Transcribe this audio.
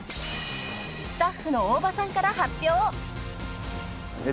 ［スタッフの大庭さんから発表］